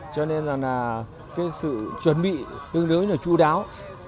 cho nên là cái sự chuẩn bị tương đối là chú đáo